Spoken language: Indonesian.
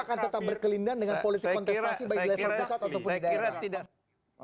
dan itu akan tetap berkelindahan dengan politik kontestasi bagi lepas sosat ataupun di daerah